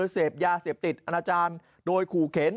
เสพยาเสพติดอนาจารย์โดยขู่เข็น